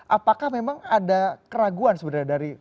apakah memang ada keraguan sebenarnya dari